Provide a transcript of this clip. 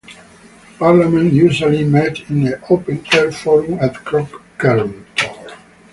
The Parliament usually met in an open air forum at Crockern Tor.